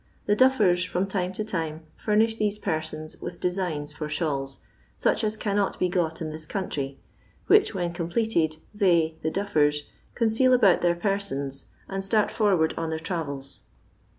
The duffers, from time to time, furnish these persons with designs for shawls, such as cannot be got in this country, which, when completed, they (the duffers) conceal about their persims, and start forward on their travels.